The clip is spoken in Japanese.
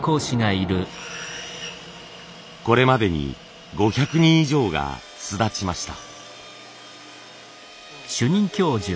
これまでに５００人以上が巣立ちました。